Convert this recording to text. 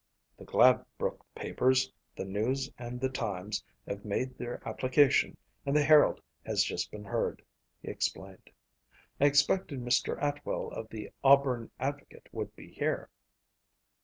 "The Gladbrook papers, the News and the Times, have made their application and the Herald has just been heard," he explained. "I expected Mr. Atwell of the Auburn Advocate would be here."